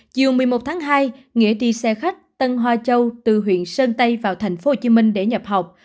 chiều một mươi một tháng hai nghĩa đi xe khách tân hoa châu từ huyện sơn tây vào tp hcm để nhập học